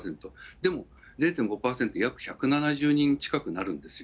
でも、０．５％、約１７０人近くになるんですよ。